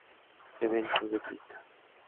Eventos de pista.